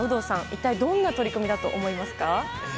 一体どんな取り組みだと思いますか。